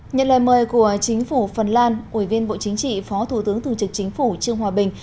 nhận lời mời của chính phủ phần lan ủy viên bộ chính trị phó thủ tướng thường trực chính phủ trương hòa bình